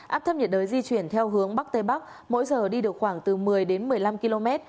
áp thấp nhiệt đới di chuyển theo hướng bắc tây bắc mỗi giờ đi được khoảng từ một mươi đến một mươi năm km